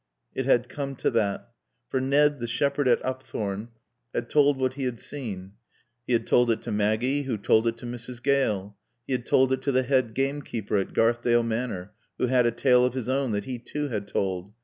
It had come to that. For Ned, the shepherd at Upthorne, had told what he had seen. He had told it to Maggie, who told it to Mrs. Gale. He had told it to the head gamekeeper at Garthdale Manor, who had a tale of his own that he too had told.